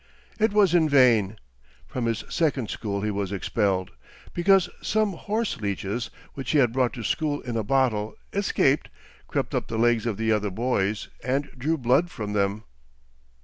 It was in vain. From this second school he was expelled, because some horse leeches, which he had brought to school in a bottle, escaped, crept up the legs of the other boys, and drew blood from them.